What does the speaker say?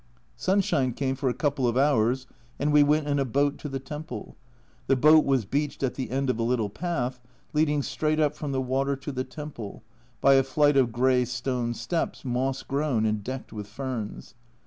Sunshine came for a couple of hours and we went in a boat to the temple. The boat was beached at the end of a little path, leading straight up from the water to the temple, by a flight of grey stone steps, moss grown and decked with ferns.